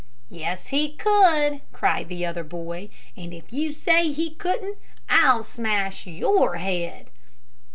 "Yes, he could," cried the other boy; "and if you say he couldn't, I'll smash your head."